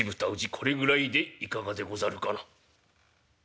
これぐらいでいかがでござるかな」。